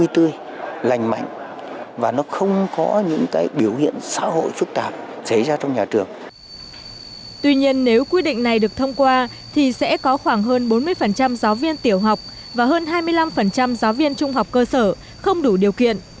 tuy nhiên nếu quy định này được thông qua thì sẽ có khoảng hơn bốn mươi giáo viên tiểu học và hơn hai mươi năm giáo viên trung học cơ sở không đủ điều kiện